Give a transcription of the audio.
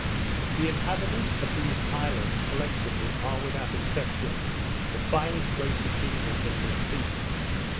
The inhabitants of these islands collectively, are, without exception, the finest race of people in this sea.